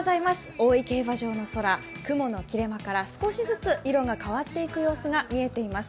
大井競馬場の空、雲の切れ間から少しずつ色が変わっていく様子が見えています。